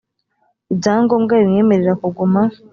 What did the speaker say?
ibyangombwa bimwemerera kuguma